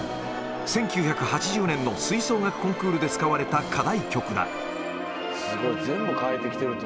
１９８０年の吹奏楽コンクールの課題曲で使われた曲だ。